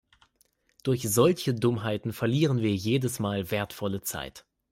Durch solche Dummheiten verlieren wir jedes Mal wertvolle Zeit.